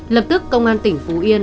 lập tức công an tỉnh phú yên